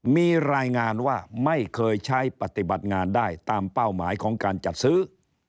มีรายงานว่าไม่เคยใช้ปฏิบัติงานได้ตามเป้าหมายของการจัดซื้อ